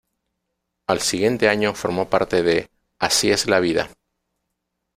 Al siguiente año formó parte de "Así es la vida".